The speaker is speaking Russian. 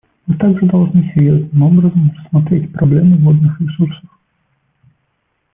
Мы также должны серьезным образом рассмотреть проблему водных ресурсов.